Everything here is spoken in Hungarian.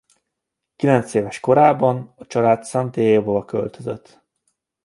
Kilencéves korában a család San Diegóba költözött.